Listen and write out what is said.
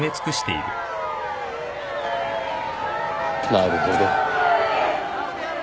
なるほど。